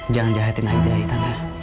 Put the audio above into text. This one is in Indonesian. jangan jahatin aida ya tante